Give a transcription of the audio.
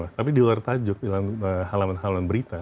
tapi di luar tajuk di halaman halaman berita